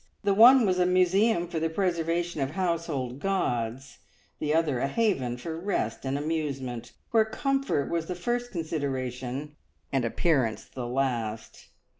The one was a museum for the preservation of household gods, the other a haven for rest and amusement, where comfort was the first consideration and appearance the last.